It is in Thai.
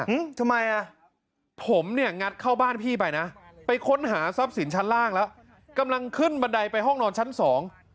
อืมทำไมอ่ะผมเนี่ยงัดเข้าบ้านพี่ไปนะไปค้นหาทรัพย์สินชั้นล่างแล้วกำลังขึ้นบันไดไปห้องนอนชั้นสอง